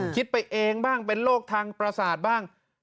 คิดไปเองบ้างเป็นโรคทางประสาทบ้าง